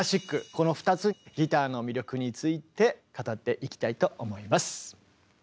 この２つギターの魅力について語っていきたいと思います。